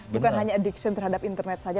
bukan hanya addiction terhadap internet saja